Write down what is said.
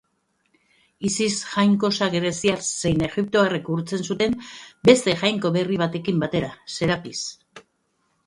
Isis jainkosa greziar zein egiptoarrek gurtzen zuten, beste jainko berri batekin batera, Serapis.